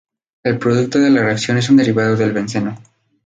El producto de la reacción es un derivado del benceno.